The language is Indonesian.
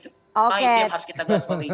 kain yang harus kita gas pakai